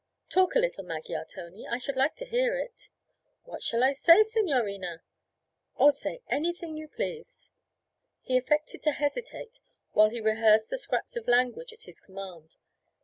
'Talk a little Magyar, Tony. I should like to hear it.' 'What shall I say, signorina?' 'Oh, say anything you please.' He affected to hesitate while he rehearsed the scraps of language at his command.